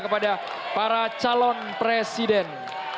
kepada para calon presiden